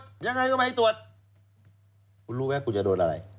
ทำไงก็ไม่ให้ตรวจรู้ไหมว่ากูจะโดดอะไร